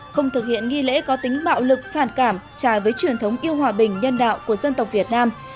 không thực hiện nghi lễ có tính bạo lực phản cảm trái với truyền thống yêu hòa bình nhân đạo của dân tộc việt nam